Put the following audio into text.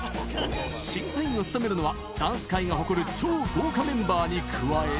審査員を務めるのは、ダンス界が誇る超豪華メンバーに加え。